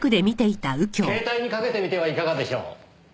携帯にかけてみてはいかがでしょう？